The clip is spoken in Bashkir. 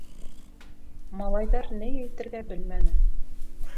Малайҙар ни әйтергә белмәне.